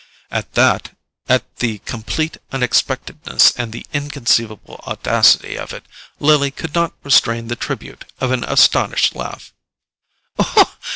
At that—at the complete unexpectedness and the inconceivable audacity of it—Lily could not restrain the tribute of an astonished laugh.